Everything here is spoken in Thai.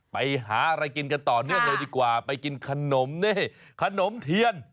ไปหาอะไรกินกันต่อเนื่องเลยดีกว่าไปกินขนมนี่ขนมเทียน